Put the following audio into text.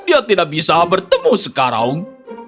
dia tidak bisa bertemu sekarang